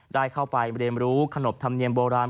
ได้เข้าไปเรียนรู้ขนบธรรมเนียมโบราณ